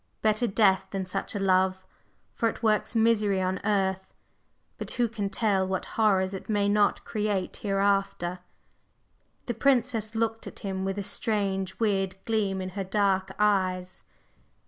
Better death than such a love, for it works misery on earth; but who can tell what horrors it may not create Hereafter!" The Princess looked at him with a strange, weird gleam in her dark eyes.